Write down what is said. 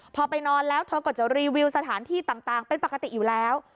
พอไปนอนแล้วเธอก็จะรีวิวสถานที่ต่างเป็นปกติอยู่แล้ว